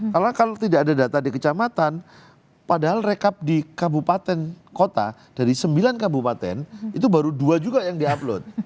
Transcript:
karena kalau tidak ada data di kecamatan padahal rekap di kabupaten kota dari sembilan kabupaten itu baru dua juga yang di upload